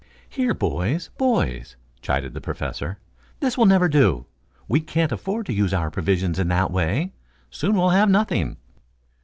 "Here, boys, boys!" chided the Professor. "This will never do. We can't afford to use our provisions in that way. Soon we'll have nothing."